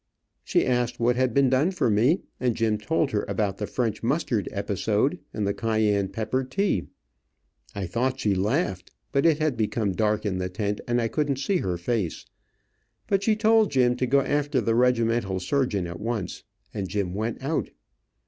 She asked what had been done for me, and Jim told her about the French mustard episode, and the cayenne pepper tea. I thought she laughed, but it had become dark in the tent, and I couldn't see her face, but she told Jim to go after the regimental surgeon at once, and Jim went out.